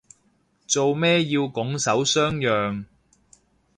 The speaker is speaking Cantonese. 做咩要拱手相讓